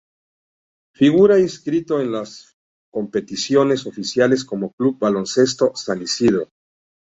Figura inscrito en las competiciones oficiales como Club Baloncesto San Isidro.